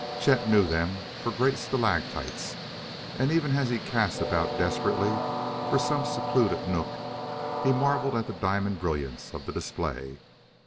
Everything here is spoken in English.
Chet knew them for great stalactites, and, even as he cast about desperately for some secluded nook, he marveled at the diamond brilliance of the display.